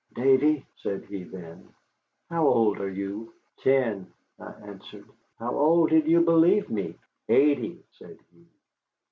"Davy," said he, then, "how old are you?" "Ten," I answered. "How old did you believe me?" "Eighty," said he.